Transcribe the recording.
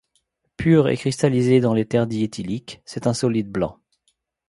Pur et cristallisé dans l’éther diéthylique, c’est un solide blanc.